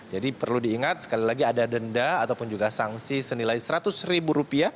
jadi perlu diingat sekali lagi ada denda ataupun juga sanksi senilai rp seratus